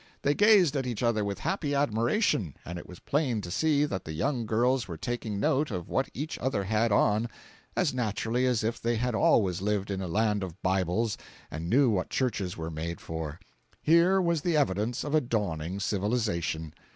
They gazed at each other with happy admiration, and it was plain to see that the young girls were taking note of what each other had on, as naturally as if they had always lived in a land of Bibles and knew what churches were made for; here was the evidence of a dawning civilization.